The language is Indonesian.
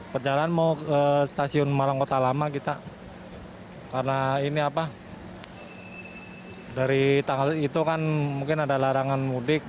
perjalanan mau ke stasiun malang kota lama kita karena ini apa dari tanggal itu kan mungkin ada larangan mudik